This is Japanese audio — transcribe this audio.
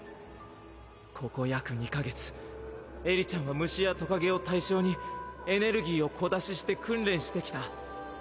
ここ約２か月エリちゃんは虫やトカゲを対象にエネルギーを小出しして訓練してきた。